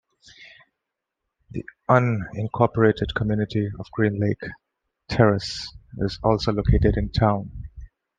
The unincorporated community of Green Lake Terrace is also located in the town.